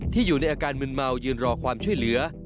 อยู่ในอาการมึนเมายืนรอความช่วยเหลือ